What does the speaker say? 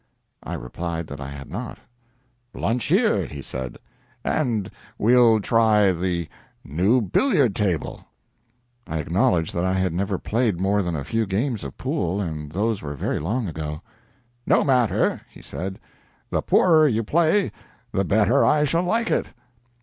I replied that I had not. "Lunch here," he said, "and we'll try the new billiard table." I acknowledged that I had never played more than a few games of pool, and those very long ago. "No matter," he said "the poorer you play the better I shall like it."